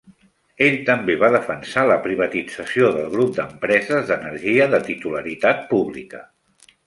Ell també va defensar la privatització del grup d'empreses d'energia de titularitat pública.